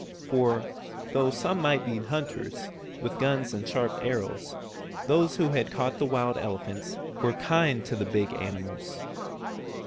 For, though some might be hunters, with guns and sharp arrows, those who had caught the wild elephants were kind to the big animals.